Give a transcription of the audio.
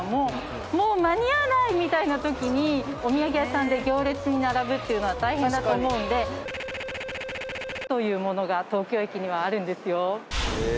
もう間に合わないみたいなときにお土産さんで行列に並ぶっていうのは大変だと思うんで東京駅には。